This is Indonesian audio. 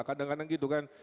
kadang kadang gitu kan